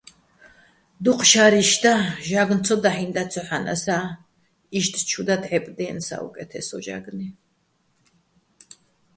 დუჴ შარი́შ და ჟაგნო̆ ცო დაჰ̦ინდა ცოჰ̦ანასა́, იშტ ჩუ და დჵე́პდიენო̆ საუკე́თესო ჟაგნუჲ.